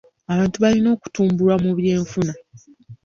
Abantu balina okutumbulwa mu by'enfuna.